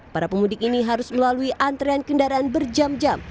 para pemudik ini harus melalui antrean kendaraan berjam jam